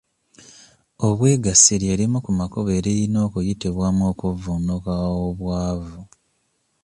Obwegassi lye limu ku makubo eriyina okuyitibwamu okuvvuunuka obwavu.